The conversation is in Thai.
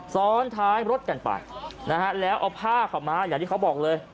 ซ้อนท้ายรถกันไปนะฮะแล้วเอาผ้าขาวม้าอย่างที่เขาบอกเลย